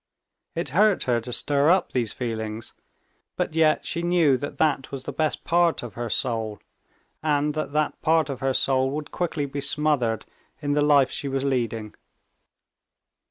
It hurt her to stir up these feelings, but yet she knew that that was the best part of her soul, and that that part of her soul would quickly be smothered in the life she was leading.